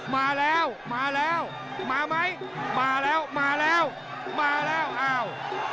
มาแล้วมาแล้วมาไหมมาแล้วมาแล้วมาแล้วอ้าว